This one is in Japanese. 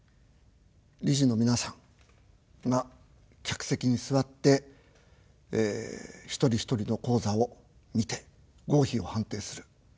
理事の皆さんが客席に座って一人一人の高座を見て合否を判定する。